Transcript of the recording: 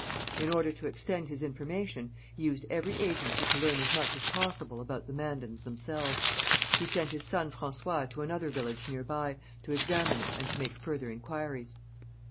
In order to extend his information, he used every agency to learn as much as possible about the Mandans themselves. He sent his son François to another village near by, to examine it and to make further inquiries.